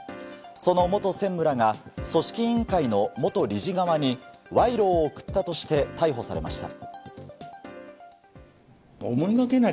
その元専務らが組織委員会の元理事側にわいろを贈ったとして逮捕されました。